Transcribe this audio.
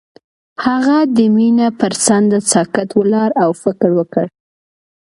هغه د مینه پر څنډه ساکت ولاړ او فکر وکړ.